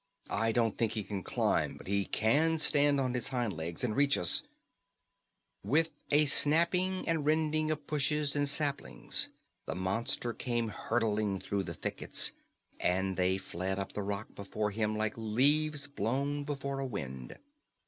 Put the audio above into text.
"I don't think he can climb, but he can stand on his hind legs and reach us " With a snapping and rending of bushes and saplings the monster came hurtling through the thickets, and they fled up the rock before him like leaves blown before a wind.